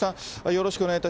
よろしくお願い